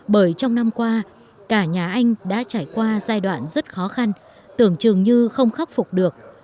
bởi trong năm qua cả nhà anh đã trải qua giai đoạn rất khó khăn tưởng trường như không khắc phục được